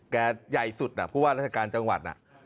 แกใหญ่สุดน่ะผู้ว่ารัฐการณ์จังหวัดน่ะ